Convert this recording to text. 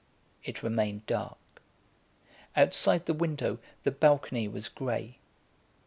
It remained dark: Outside the window, the balcony was grey.